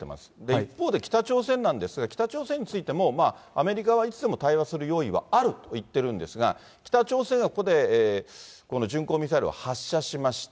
一方で、北朝鮮なんですが、北朝鮮についても、アメリカはいつでも対話する用意はあると言ってるんですが、北朝鮮はここでこの巡航ミサイルを発射しました。